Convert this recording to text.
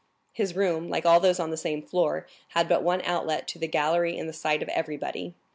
His room, like all those on the same floor, had but one outlet to the gallery in the sight of everybody.